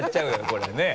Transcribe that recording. これねぇ。